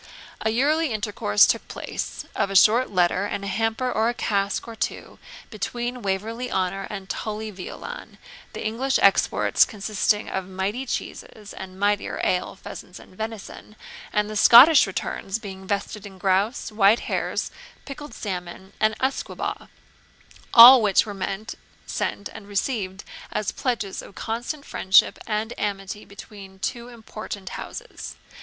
A yearly intercourse took place, of a short letter and a hamper or a cask or two, between Waverley Honour and Tully Veolan, the English exports consisting of mighty cheeses and mightier ale, pheasants, and venison, and the Scottish returns being vested in grouse, white hares, pickled salmon, and usquebaugh; all which were meant, sent, and received as pledges of constant friendship and amity between two important houses.